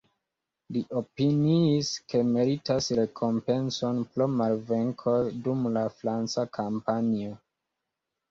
Li opiniis, ke meritas rekompencon pro malvenkoj dum la franca kampanjo.